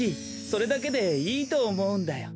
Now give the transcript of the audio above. それだけでいいとおもうんだよ。